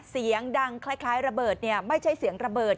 เสียงดังคล้ายระเบิดไม่ใช่เสียงระเบิด